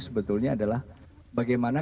sebetulnya adalah bagaimana